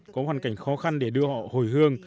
có hoàn cảnh khó khăn để đưa họ hồi hương